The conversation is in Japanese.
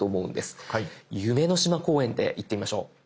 夢の島公園でいってみましょう。